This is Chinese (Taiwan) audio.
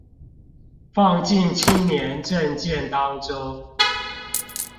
放進青年政見當中